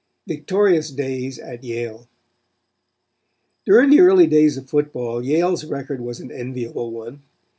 VICTORIOUS DAYS AT YALE During the early days of football Yale's record was an enviable one.